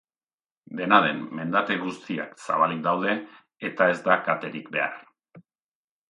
Dena den, mendate guztiak zabalik daude, eta ez da katerik behar.